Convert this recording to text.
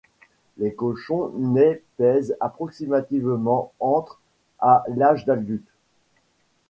Les cochons nains pèsent approximativement entre à l'âge adulte.